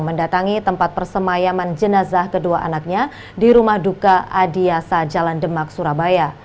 mendatangi tempat persemayaman jenazah kedua anaknya di rumah duka adiasa jalan demak surabaya